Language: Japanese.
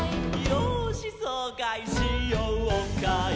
「よーしそうかいしようかい」